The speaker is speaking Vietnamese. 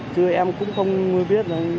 chứ em cũng không biết